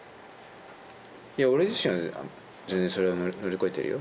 俺自身は全然それは乗り越えてるよ。